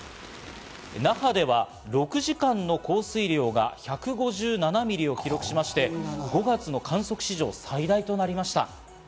那覇では６時間の降水量が１５７ミリを記録しまして、５月の観測史上最大となりました。